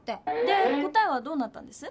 で答えはどうなったんです？